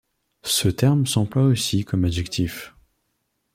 Ce terme s'emploie aussi comme adjectif.